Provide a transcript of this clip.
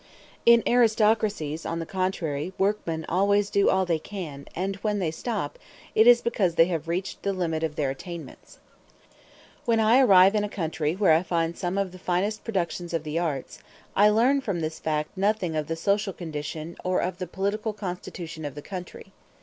In aristocracies, on the contrary, workmen always do all they can; and when they stop, it is because they have reached the limit of their attainments. When I arrive in a country where I find some of the finest productions of the arts, I learn from this fact nothing of the social condition or of the political constitution of the country.